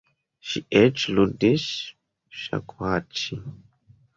Ŝi eĉ ludis ŝakuhaĉi.